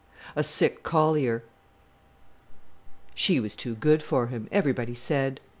A Sick Collier She was too good for him, everybody said.